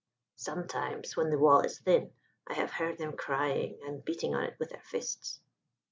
"Sometimes where the wall is thin I have heard them crying and beating on it with their fists."